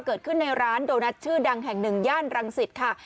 เกิดขึ้นในร้านโดนัทชื่อดังแห่งหนึ่งย่านรังสิตค่ะ